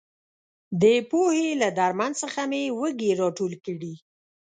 د پوهې له درمن څخه مې وږي راټول کړي.